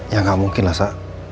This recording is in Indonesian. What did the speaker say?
ya gak mungkin lah sa